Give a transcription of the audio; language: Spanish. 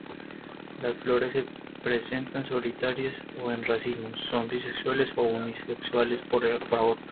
Las flores se presentan solitarias o en racimos, son bisexuales o unisexuales por aborto.